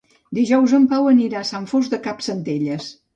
Dijous en Pau anirà a Sant Fost de Campsentelles.